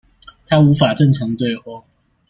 他無法正常對話